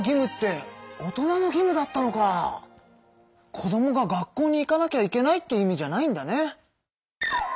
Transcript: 子どもが学校に行かなきゃいけないって意味じゃないんだね。